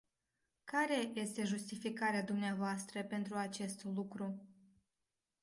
Care este justificarea dvs. pentru acest lucru?